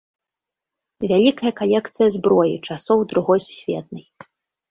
Вялікая калекцыя зброі часоў другой сусветнай.